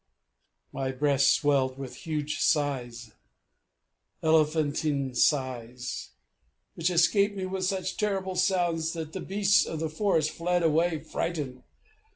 My breast swelled with huge sighs elephantine sighs which escaped me with such terrible sounds that the beasts of the forest fled away, frightened.